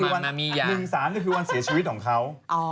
มามามามีอย่าง๑๓นี่คือวันเสียชีวิตของเขา